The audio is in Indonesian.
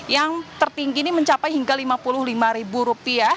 yang tertinggi ini mencapai hingga rp lima puluh lima